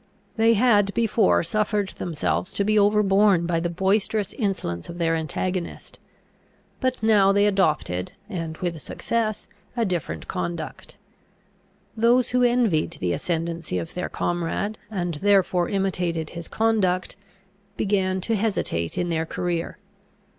They had before suffered themselves to be overborne by the boisterous insolence of their antagonist; but now they adopted, and with success, a different conduct. Those who envied the ascendancy of their comrade, and therefore imitated his conduct, began to hesitate in their career.